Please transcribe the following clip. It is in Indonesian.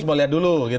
agus mau lihat dulu gitu